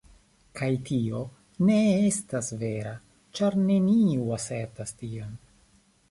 Kaj tio ne estas vera, ĉar neniu asertas tion.